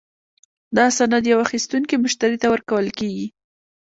دا سند یو اخیستونکي مشتري ته ورکول کیږي.